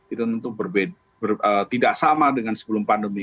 itu tentu tidak sama dengan sebelum pandemi